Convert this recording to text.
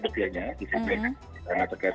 kebijakannya karena terkait